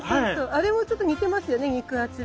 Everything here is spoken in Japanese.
あれもちょっと似てますよね肉厚で。